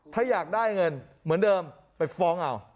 ถ้าอยากได้เงินเหมือนเดิมไปฟ้องเอา